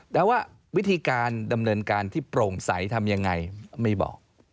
แต่ว่าวิธีการดำเนินการที่โปร่งใสทำยังไงไม่บอก